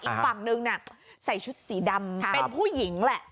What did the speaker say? อีกฝั่งนึงน่ะใส่ชุดสีดำเป็นผู้หญิงแหละ